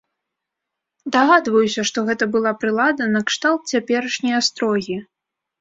Дагадваюся, што гэта была прылада накшталт цяперашняй астрогі.